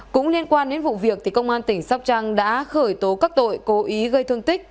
cũng liên quan đến vụ việc công an tỉnh sóc trăng đã khởi tố các tội cố ý gây thương tích